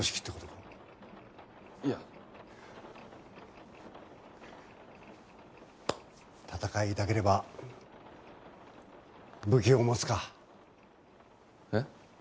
あッいや戦いたければ武器を持つかえッ？